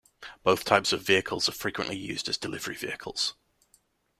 Both types of vehicles are frequently used as delivery vehicles.